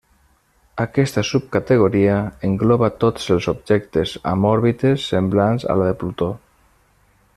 Aquesta subcategoria engloba tots els objectes amb òrbites semblants a la de Plutó.